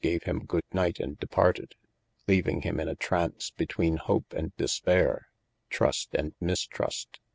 gave him good night and departed, leaving him in a traunce between hope and dispayre, trust and mistrust.